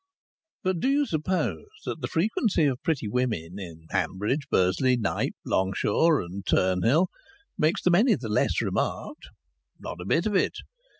But do you suppose that the frequency of pretty women in Hanbridge, Bursley, Knype, Longshaw and Turnhill makes them any the less remarked? Not a bit of it.